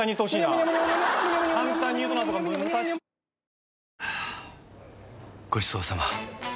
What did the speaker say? はぁごちそうさま！